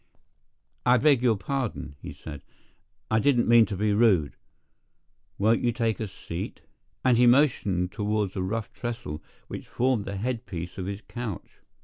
"I beg your pardon," he said; "I didn't mean to be rude. Won't you take a seat?" and he motioned toward a rough trestle, which formed the head piece of his couch.